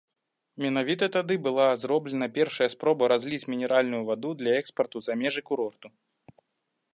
Менавіта тады была зроблена першая спроба разліць мінеральную ваду для экспарту за межы курорту.